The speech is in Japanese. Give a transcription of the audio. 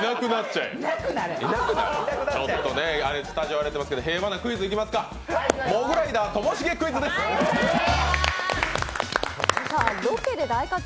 ちょっとね、スタジオ荒れてますけど平和なクイズいきましょうか。